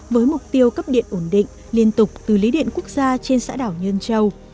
với mục tiêu cấp điện ổn định liên tục từ lý điện quốc gia trên xã đảo nhơn châu